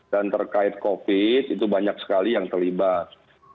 dan terkait covid itu banyak sekali yang terlibat